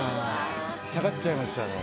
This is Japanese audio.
下がっちゃいましたね。